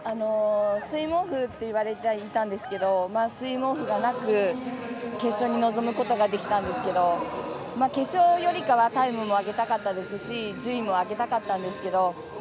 スイムオフといわれていたんですけどスイムオフがなく決勝に臨むことができたんですけど決勝よりかはタイムも上げたかったですし順位も上げたかったんですけど